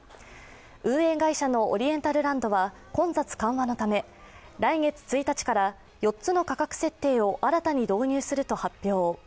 運営会社のオリエンタルランドは混雑緩和のため、来月１日から、４つの価格設定を新たに導入すると発表。